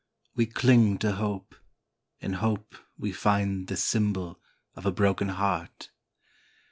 We cling to hope — in hope we find The symbol of a broken heart.